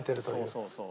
そうそう。